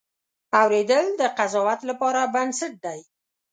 اورېدل د قضاوت لپاره بنسټ دی.